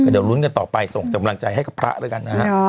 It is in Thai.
เดี๋ยวลุ้นกันต่อไปส่งกำลังใจให้กับพระแล้วกันนะฮะ